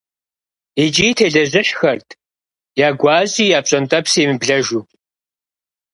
ИкӀи телэжьыхьхэрт я гуащӀи, я пщӀэнтӀэпси емыблэжу.